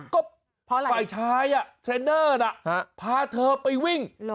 ก็ฝ่ายชายเทรนเนอร์น่ะพาเธอไปวิ่ง